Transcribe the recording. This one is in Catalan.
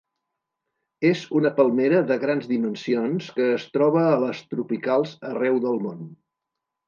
És una palmera de grans dimensions que es troba a les tropicals arreu del món.